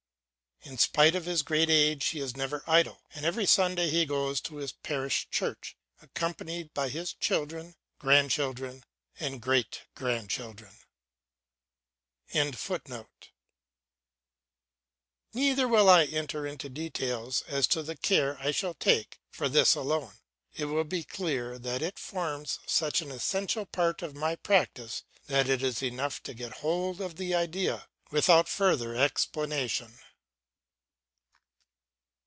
In spite of his great age he is never idle, and every Sunday he goes to his parish church accompanied by his children, grandchildren, and great grandchildren."] Neither will I enter into details as to the care I shall take for this alone. It will be clear that it forms such an essential part of my practice that it is enough to get hold of the idea without further explanation.